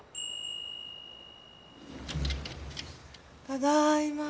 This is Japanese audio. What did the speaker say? ただいま。